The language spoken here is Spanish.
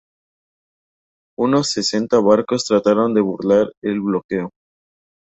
Unos sesenta barcos trataron de burlar el bloqueo.